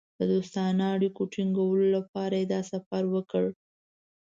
د دوستانه اړیکو ټینګولو لپاره یې دا سفر وکړ.